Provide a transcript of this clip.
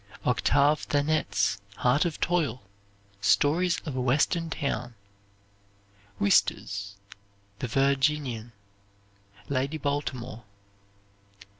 Octave Thanet's "Heart of Toil," "Stories of a Western Town." Wister's "The Virginian," "Lady Baltimore."